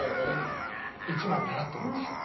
１枚ペラッと持ってきたの。